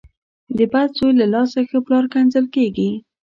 ـ د بد زوی له لاسه ښه پلار کنځل کېږي .